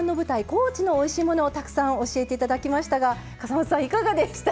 高知のおいしいものをたくさん教えていただきましたが笠松さんいかがでした？